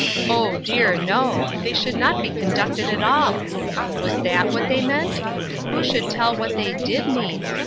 Oh, dear, no! They should not be conducted at all. Was that what they meant? Who should tell what they did mean?